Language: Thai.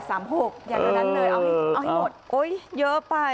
เอาให้หมดโอ้ยเยอะไป